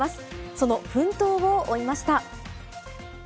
その奮闘を追いました。